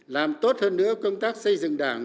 làm tốt hơn nữa công tác xây dựng đảng